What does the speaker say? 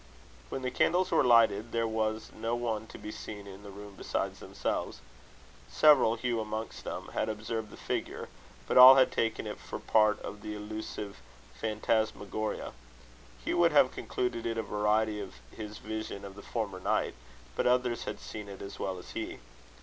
When the candles were lighted, there was no one to be seen in the room besides themselves. Several, Hugh amongst them, had observed the figure; but all had taken it for part of the illusive phantasmagoria. Hugh would have concluded it a variety of his vision of the former night; but others had seen it as well as he.